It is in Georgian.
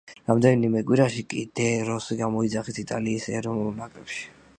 რამდენიმე კვირაში კი დე როსი გამოიძახეს იტალიის ეროვნულ ნაკრებში.